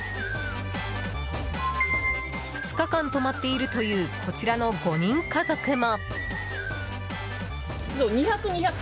２日間泊まっているというこちらの５人家族も。